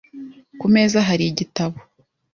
Ku meza hari igitabo?